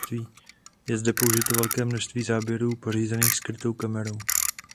Je zde použito velké množství záběrů pořízených skrytou kamerou.